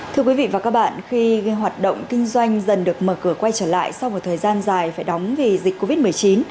thưa quý vị và các bạn khi hoạt động kinh doanh dần được mở cửa quay trở lại sau một thời gian dài phải đóng vì dịch covid một mươi chín